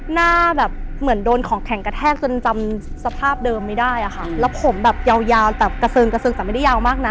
หน้าแบบเหมือนโดนของแข็งกระแทกจนจำสภาพเดิมไม่ได้อะค่ะแล้วผมแบบยาวยาวแบบกระเซิงกระเซิงแต่ไม่ได้ยาวมากนะ